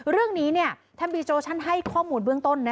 เรื่องนี้ท่านบีโจชั่นให้ข้อมูลเบื้องต้น